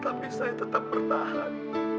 tapi saya tetap bertahan